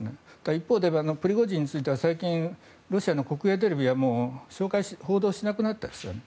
一方でプリゴジンについては先ほどロシアの国営テレビは報道しなくなっていますよね。